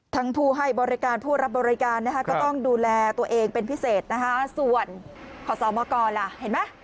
ผู้ให้บริการผู้รับบริการนะคะก็ต้องดูแลตัวเองเป็นพิเศษนะคะส่วนขอสอบมากรล่ะเห็นไหม